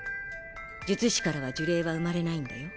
術師からは呪霊は生まれないんだよ。